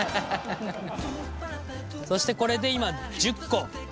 そしてこれで今１０個。